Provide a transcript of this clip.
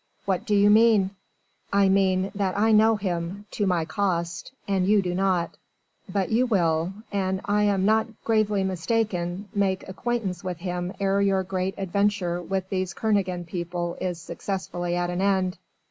"What do you mean?" "I mean that I know him to my cost and you do not. But you will, an I am not gravely mistaken, make acquaintance with him ere your great adventure with these Kernogan people is successfully at an end.